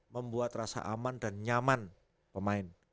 membuat rasa aman dan nyaman pemain